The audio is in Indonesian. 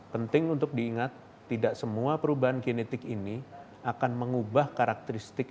penting untuk diingat tidak semua perubahan genetik ini akan mengubah karakteristik